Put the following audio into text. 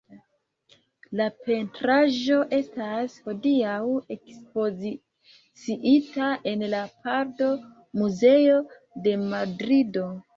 La pentraĵo estas hodiaŭ ekspoziciita en la Prado-Muzeo de Madrido.